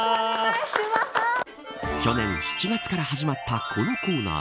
去年７月から始まったこのコーナー。